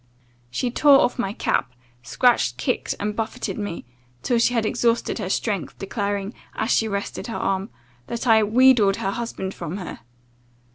She tore off my cap, scratched, kicked, and buffetted me, till she had exhausted her strength, declaring, as she rested her arm, 'that I had wheedled her husband from her.